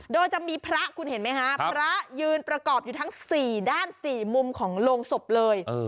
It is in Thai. โดยจะมีพระคุณเห็นไหมฮะพระยืนประกอบอยู่ทั้ง๔ด้าน๔มุมของโรงศพเลย